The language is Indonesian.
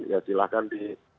ya silahkan di